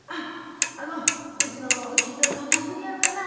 あのうちの金太郎頑張ってるやろかな？